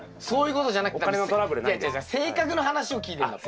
性格の話を聞いてんだっぺ。